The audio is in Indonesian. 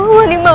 mamah ni reverse